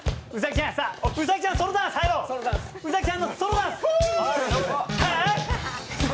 兎ちゃんのソロダンス！